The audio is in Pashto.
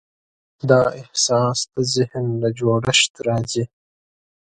دا احساس د ذهن له جوړښت راځي.